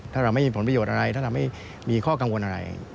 ถ้าเราไม่มีผลประโยชน์อะไรถ้าเราไม่มีข้อกังวลอะไร